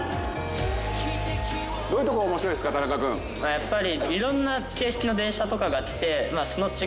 やっぱり。